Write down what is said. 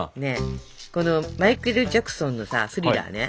このマイケル・ジャクソンのさ「スリラー」ね。